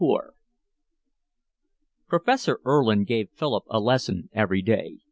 XXIV Professor Erlin gave Philip a lesson every day.